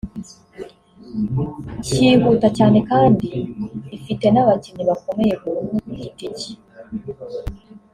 kihuta cyane kandi ifite n’abakinnyi bakomeye buri umwe ku giti cye